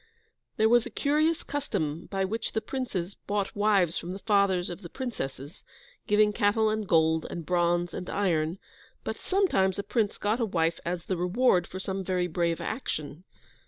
There was a curious custom by which the princes bought wives from the fathers of the princesses, giving cattle and gold, and bronze and iron, but sometimes a prince got a wife as the reward for some very brave action.